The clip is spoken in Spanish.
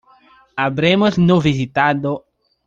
Habremos no visitado